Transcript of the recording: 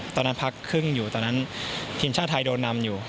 ตอนนั้นพักครึ่งอยู่ทีมชาติไทยโดนนำอยู่